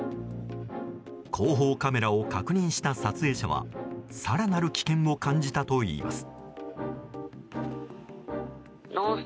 後方カメラを確認した撮影者は更なる危険を感じたといいます。